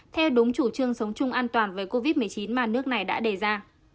theo đúng chủ trương sống chung an toàn với covid một mươi chín mà nước này đã đề ra